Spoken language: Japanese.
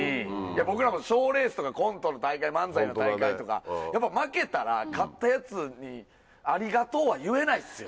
僕らも賞レースとかコントの大会、漫才の大会とか、やっぱ負けたら、勝ったやつに、ありがとうは言えないですよ。